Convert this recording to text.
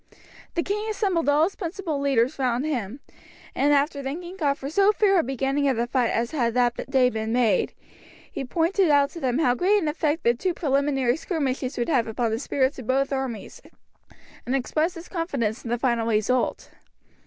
The king assembled all his principal leaders round him, and after thanking God for so fair a beginning of the fight as had that day been made, he pointed out to them how great an effect the two preliminary skirmishes would have upon the spirits of both armies, and expressed his confidence in the final result.